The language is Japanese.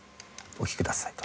お聴きください